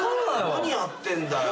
何やってんだよ！